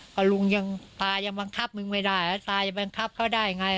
พอลุงยังตายังบังคับมึงไม่ได้แล้วตาจะบังคับเขาได้ไง